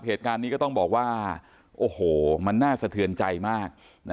เหตุการณ์นี้ก็ต้องบอกว่าโอ้โหมันน่าสะเทือนใจมาก